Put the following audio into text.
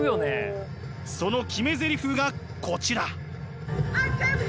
その決めゼリフがこちら。